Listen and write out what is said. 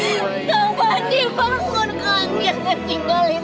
saya ingin ke pondok pesantren